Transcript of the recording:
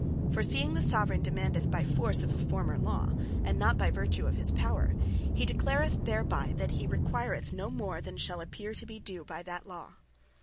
For seeing the Soveraign demandeth by force of a former Law, and not by vertue of his Power; he declareth thereby, that he requireth no more, than shall appear to be due by that Law.